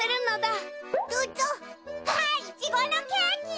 あイチゴのケーキ！